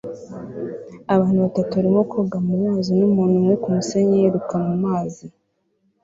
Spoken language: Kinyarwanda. Abantu batatu barimo koga mumazi numuntu umwe kumusenyi yiruka mumazi